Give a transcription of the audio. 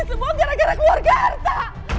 ini semua gara gara keluarga harta